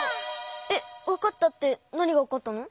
えっわかったってなにがわかったの？